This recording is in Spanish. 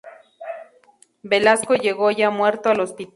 Velasco llegó ya muerto al hospital.